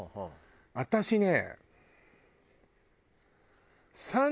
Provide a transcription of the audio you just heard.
私ね。